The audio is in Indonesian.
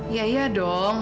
ya ya dong